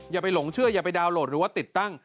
อย่าไปหลงเชื่ออย่าไปดาวนโหลดหรือว่าติดตั้ง